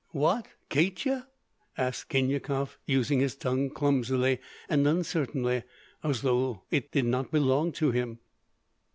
"What Katya?" asked Khinyakov, using his tongue clumsily and uncertainly, as though it did not belong to him.